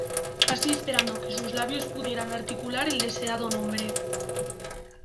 Casi esperando que sus labios pudieran articular el deseado nombre.